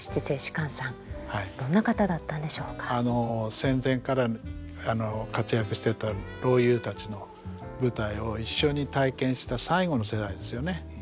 戦前から活躍してた老優たちの舞台を一緒に体験した最後の世代ですよね。